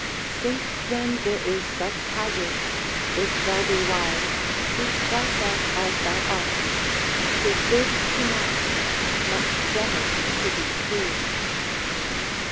Since then there is such hazard, if thou be wise keep thyself as thou art, 'tis good to match, much better to be free.